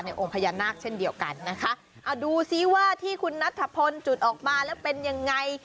องค์พญานาคเช่นเดียวกันนะคะเอาดูซิว่าที่คุณนัทธพลจุดออกมาแล้วเป็นยังไง